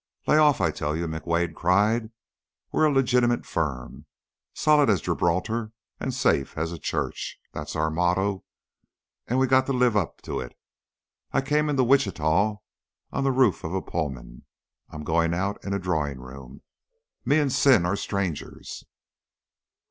"Lay off, I tell you!" McWade cried. "We're a legitimate firm,' solid as Gibraltar and safe as a church.' That's our motto, and we've got to live up to it. I came into Wichita on the roof of a Pullman; I'm going out in a drawing room. Me and sin are strangers."